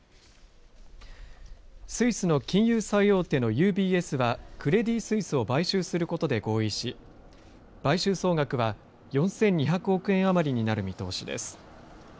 スイスの金融最大手のＵＢＳはクレディ・スイスを買収することで合意し買収総額は４２００億円余りになる見通しです。